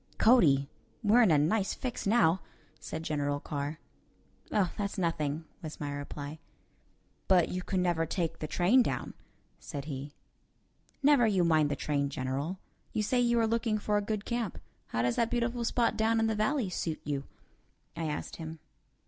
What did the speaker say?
"Cody, we're in a nice fix now," said General Carr. "Oh, that's nothing," was my reply. "But you can never take the train down," said he. "Never you mind the train, General. You say you are looking for a good camp. How does that beautiful spot down in the valley suit you?" I asked him.